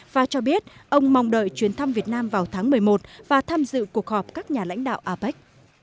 và cho biết ông mong đợi chuyến thăm việt nam vào tháng một mươi một và tham dự cuộc họp các nhà lãnh đạo apec